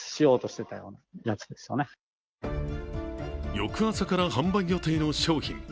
翌朝から販売予定の商品。